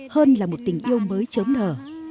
hơn là một tình yêu mới chớm nở